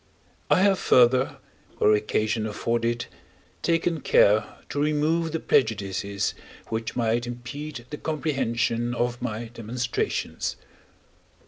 I have further, where occasion afforded, taken care to remove the prejudices, which might impede the comprehension of my demonstrations.